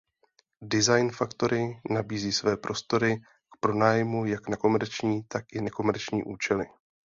Design factory nabízí své prostory k pronájmu jak na komerční tak i nekomerční účely.